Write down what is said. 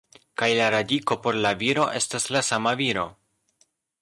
Kaj la radiko, por la viro, estas la sama viro.